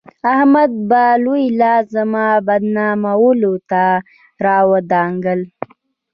احمد به لوی لاس زما بدنامولو ته راودانګل.